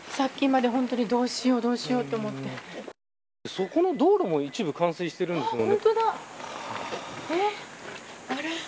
そこの道路も一部冠水してるんですね。